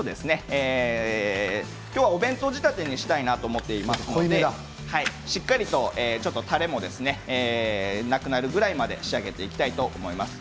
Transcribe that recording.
今日はお弁当仕立てにしたいと思っていますのでしっかり、たれもなくなるぐらいまで仕上げていきたいと思います。